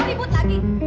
mau ribut lagi